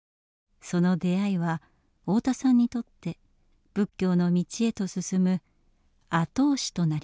その出会いは太田さんにとって仏教の道へと進む後押しとなりました。